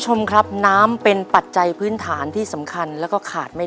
ในแคมเปญพิเศษเกมต่อชีวิตโรงเรียนของหนู